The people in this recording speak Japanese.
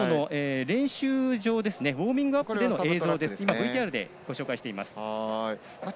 佐藤の練習場ウォーミングアップでの映像ＶＴＲでご紹介しています。